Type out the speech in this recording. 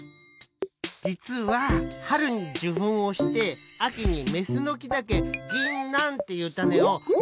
じつははるにじゅふんをしてあきにメスのきだけぎんなんっていうタネをみのらせるんす。